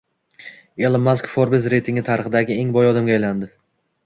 Ilon Mask Forbes reytingi tarixidagi eng boy odamga aylandi